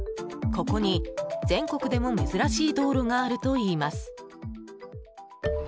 ここに全国でも珍しい道路があるといいます。